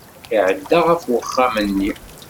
Iɛedda ɣef uxxam-nni.